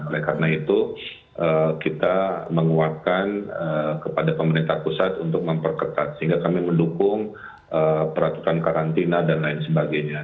oleh karena itu kita menguatkan kepada pemerintah pusat untuk memperketat sehingga kami mendukung peraturan karantina dan lain sebagainya